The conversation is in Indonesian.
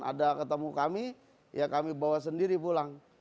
ada ketemu kami ya kami bawa sendiri pulang